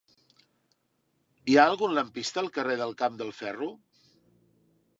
Hi ha algun lampista al carrer del Camp del Ferro?